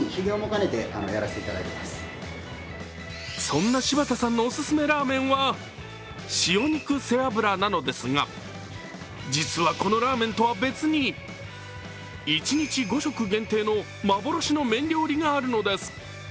そんな柴田さんのオススメラーメンは塩肉セアブラなのですが実はこのラーメンとは別に一日５食限定の幻の麺料理があるのです。